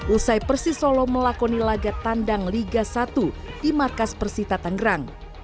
usai persisolo melakoni laga tandang liga satu di markas persita tangerang